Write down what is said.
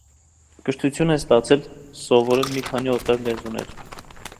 Կրթություն է ստացել, սովորել մի քանի օտար լեզուներ։